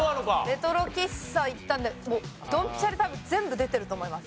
レトロ喫茶行ったのでドンピシャで多分全部出てると思います。